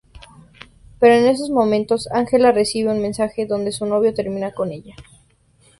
Pero en esos momentos Angela recibe un mensaje donde su novio termina con ella.